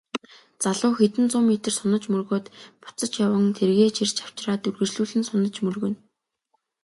Залуу хэдэн зуун метр сунаж мөргөөд буцаж яван тэргээ чирч авчраад үргэлжлүүлэн сунаж мөргөнө.